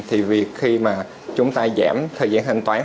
thì việc khi mà chúng ta giảm thời gian thanh toán